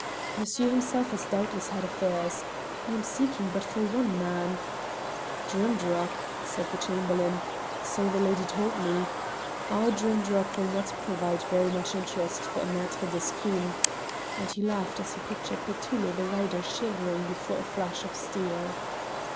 Monsieur himself has doubtless had affairs. I am seeking but for one man " "Drimdarroch," said the Chamberlain. "So the lady told me. Our Drimdarroch will not provide very much interest for a maître d'escrime," and he laughed as he pictured Petullo the writer shivering before a flash of steel.